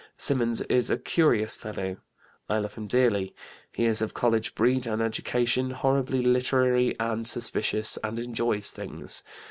Symonds is a curious fellow; I love him dearly. He is of college breed and education, horribly literary and suspicious, and enjoys things.